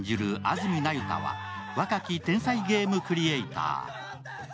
安積那由他は若き天才ゲームクリエーター。